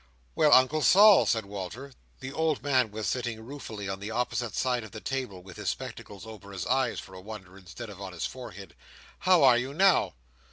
"Well, Uncle Sol!" said Walter. The old man was sitting ruefully on the opposite side of the table, with his spectacles over his eyes, for a wonder, instead of on his forehead. "How are you now?"